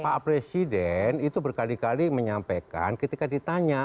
pak presiden itu berkali kali menyampaikan ketika ditanya